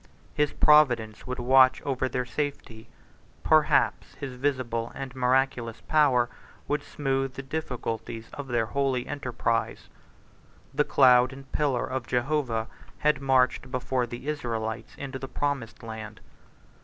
His providence would watch over their safety; perhaps his visible and miraculous power would smooth the difficulties of their holy enterprise. The cloud and pillar of Jehovah had marched before the Israelites into the promised land.